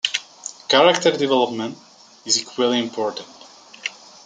Character development is equally important.